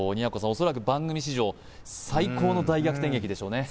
おそらく番組史上最高の大逆転劇でしょうね